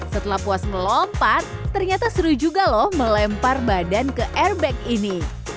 setelah puas melompat ternyata seru juga loh melempar badan ke airbag ini